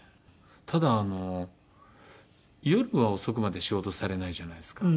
ただ夜は遅くまで仕事されないじゃないですか。